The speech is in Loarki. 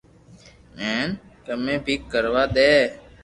ھين ڪمي بي ڪروا دي